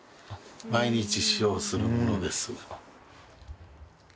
毎日使用するものです